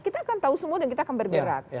kita akan tahu semua dan kita akan bergerak